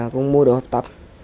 cũng mua đồ học tập